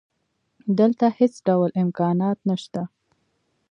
دلته هېڅ ډول امکانات نشته